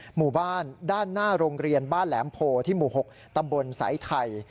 หมู่บ้านด้านหน้าโรงเรียนบ้านแหลมโพที่หมู่๖ตำบลสายไทย